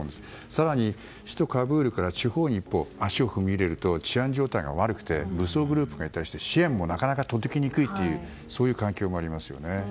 更に首都カブールから地方に一歩足を踏み入れると治安状態が悪くて武装グループがいたりして支援が届きにくい環境もありますよね。